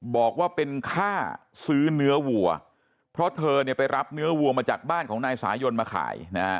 บอกว่าเป็นค่าซื้อเนื้อวัวเพราะเธอเนี่ยไปรับเนื้อวัวมาจากบ้านของนายสายนมาขายนะฮะ